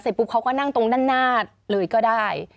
ปุ๊บเขาก็นั่งตรงด้านหน้าเลยก็ได้